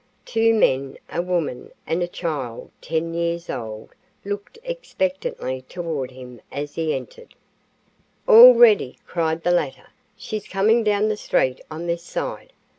Two men, a woman, and a child 10 years old looked expectantly toward him as he entered. "All ready!" cried the latter. "She's coming down the street on this side.